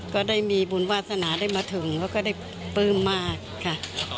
ก็ได้มีบุญวาสนาได้มาถึงแล้วก็ได้ปลื้มมากค่ะ